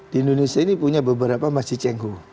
di indonesia ini punya beberapa masjid cengho